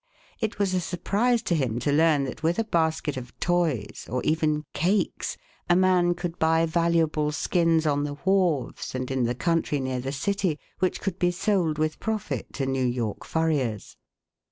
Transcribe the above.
It was a surprise to him to learn that with a basket of toys, or even cakes, a man could buy valuable skins on the wharves, and in the country near the city, which could be sold with profit to New York furriers.